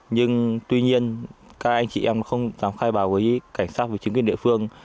nhưng tuy nhiên các anh chị em không dám khai bảo với cảnh sát và chứng kiến địa phương